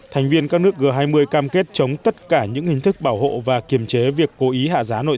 thành viên các nước g hai mươi cam kết chống tất cả những hình thức bảo hộ và kiềm chế việc cố ý hạ giá nội